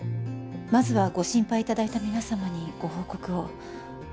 まずはご心配いただいた皆様にご報告を。